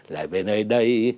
lại về nơi đây